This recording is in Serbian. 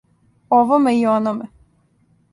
Овоме и ономе.